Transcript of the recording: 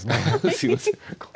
すいません。